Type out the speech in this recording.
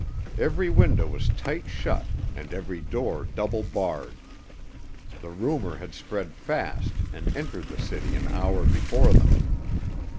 Every window was tight shut and every door double barred. The rumor had spread fast and entered the city an hour before them.